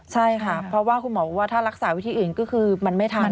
ใช่ค่ะเพราะว่าคุณหมอบอกว่าถ้ารักษาวิธีอื่นก็คือมันไม่ทัน